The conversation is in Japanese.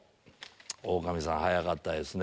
オオカミさん早かったですね。